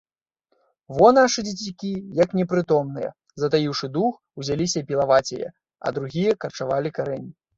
Во, нашы дзецюкі, як непрытомныя, затаіўшы дух, узяліся пілаваць яе, а другія карчавалі карэнні.